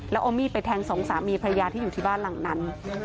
แล้วเอามีดไปแทงสองสามีพระยาที่อยู่ที่บ้านหลังนั้น